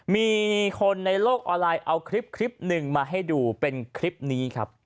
มีคนในโลกออนไลน์เอาคลิปหนึ่งมาให้ดูเป็นคลิปนี้ครับ